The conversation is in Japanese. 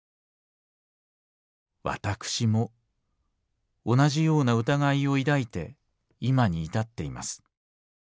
私も同じような疑いを抱いて今に至っています。